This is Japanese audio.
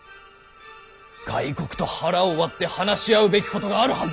外国と腹を割って話し合うべきことがあるはずではありませんか。